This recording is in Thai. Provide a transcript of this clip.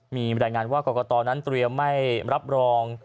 มีบรรยายงานว่ากรกตนั้นเตรียมไม่รับรอง